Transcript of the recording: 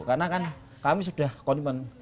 karena kan kami sudah komitmen